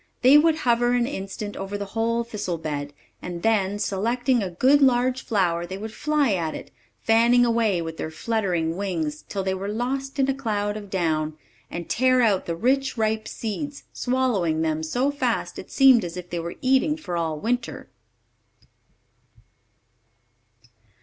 They would hover an instant over the whole thistle bed, and then, selecting a good large flower, they would fly at it, fanning away with their fluttering wings till they were lost in a cloud of down, and tear out the rich, ripe seeds, swallowing them so fast it seemed as if they were eating for all winter.